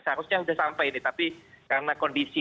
seharusnya sudah sampai nih tapi karena kondisi